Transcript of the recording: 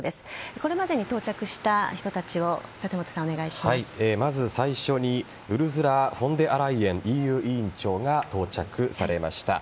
これまでに到着した人たちをまず最初にウルズラ・フォン・デア・ライエン委員長が到着されました。